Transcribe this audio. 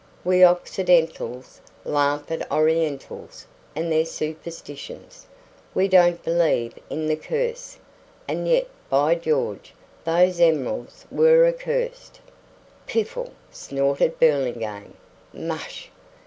We Occidentals laugh at Orientals and their superstitions. We don't believe in the curse. And yet, by George, those emeralds were accursed!" "Piffle!" snorted Burlingame. "Mush!